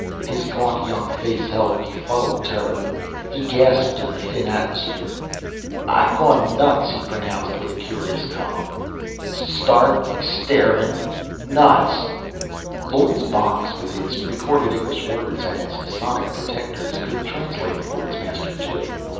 His gaunt, young face held befuddled terror. He gasped in the thin atmosphere. "I've gone nuts," he pronounced with a curious calm. "Stark starin' nuts...." Loy's box, with its recorded English words and its sonic detectors, could translate for its master, too.